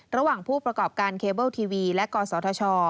ระหว่างผู้ประกอบการเคเบิลทีวีและกศธช